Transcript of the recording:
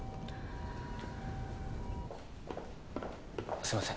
すいません